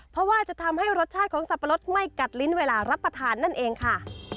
เพราะว่าจะทำให้รสชาติของสับปะรดไม่กัดลิ้นเวลารับประทานนั่นเองค่ะ